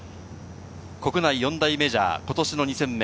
国内４大メジャー、ことしの２戦目。